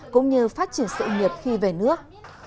cũng như phát triển sự nghiệp khi về nước